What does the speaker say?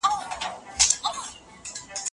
دا دیوال په ډبرو جوړ سوی دی.